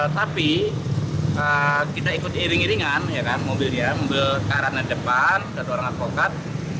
tapi kita ikut iring iringan ya kan mobilnya membeli karana depan satu orang avokat